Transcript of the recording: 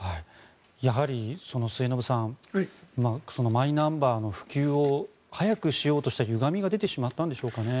やはり、末延さんマイナンバーの普及を早くしようとしたゆがみが出てしまったんでしょうかね。